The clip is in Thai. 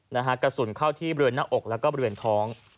นะฮะกระสุนเข้าที่เบือนหน้าอกแล้วก็เบือนท้อง